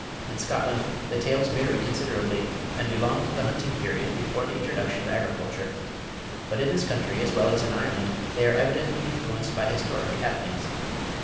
In Scotland the tales vary considerably, and belong to the hunting period before the introduction of agriculture. But in this country, as well as in Ireland, they are evidently influenced by historic happenings.